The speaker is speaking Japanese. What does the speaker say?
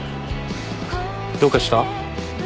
どうかした？